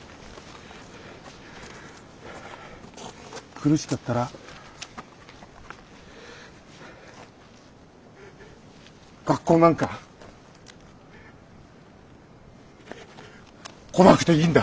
苦しかったら学校なんか来なくていいんだ。